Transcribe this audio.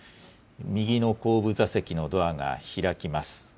右の後部座席のドアが開きます。